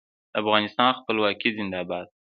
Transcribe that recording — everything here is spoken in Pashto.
د افغانستان خپلواکي زنده باد.